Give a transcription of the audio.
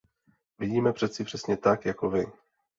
Vidíme věci přesně tak, jako vy.